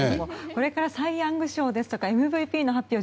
これからサイ・ヤング賞ですとかＭＶＰの発表